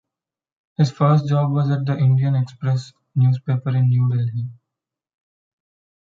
His first job was at the "Indian Express" newspaper in New Delhi.